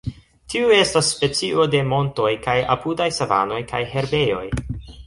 Tiu estas specio de montoj, kaj apudaj savanoj kaj herbejoj.